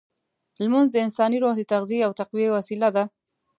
لمونځ د انساني روح د تغذیې او تقویې وسیله ده.